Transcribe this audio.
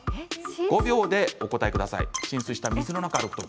５秒で、お答えください。